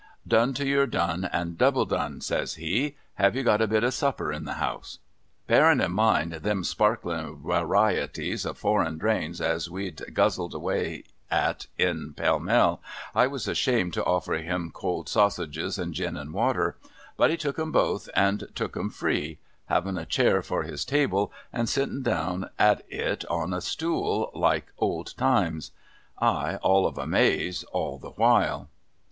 ' Done to your done, and double done !' says he. ' Have you got a bit of supper in the house ?' Bearin in mind them sparklin warieties of foreign drains as we'd guzzled away at in Pall Mall, I was ashamed to offer him cold sassages and gin and water ; but he took 'em both and took 'em free ; bavin a chair for his table, and sittin down at it on a stool, like hold times. I, all of a maze all the while.